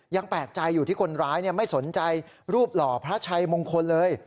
ยังแปลกใจอยู่ที่คนร้ายไม่สนใจรูปหล่อพระชัยมงคลเลย